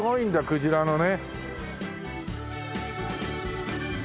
クジラのね。